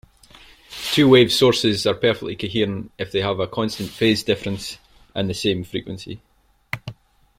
Two-wave sources are perfectly coherent if they have a constant phase difference and the same frequency.